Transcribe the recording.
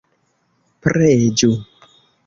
Preĝu!